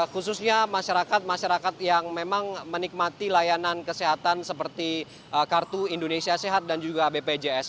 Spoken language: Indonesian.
khususnya masyarakat masyarakat yang memang menikmati layanan kesehatan seperti kartu indonesia sehat dan juga bpjs